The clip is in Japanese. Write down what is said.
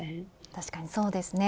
確かにそうですね。